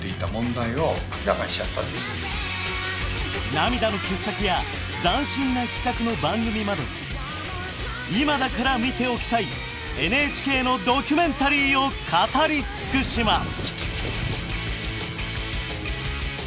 涙の傑作や斬新な企画の番組までいまだから見ておきたいＮＨＫのドキュメンタリーを語り尽くします！